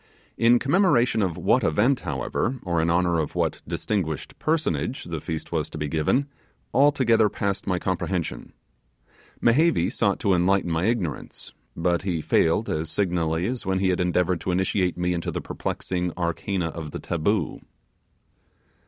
In commemoration of what event, however, or in honour of what distinguished personage, the feast was to be given, altogether passed my comprehension. Mehevi sought to enlighten my ignorance, but he failed as signally as when he had endeavoured to initiate me into the perplexing arcana of the taboo.